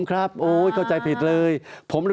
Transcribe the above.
ตั้งแต่เริ่มมีเรื่องแล้ว